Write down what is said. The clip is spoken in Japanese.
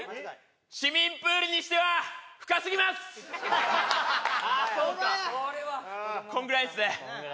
市民プールにしては深すぎますこんぐらいですね